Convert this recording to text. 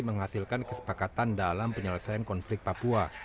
menghasilkan kesepakatan dalam penyelesaian konflik papua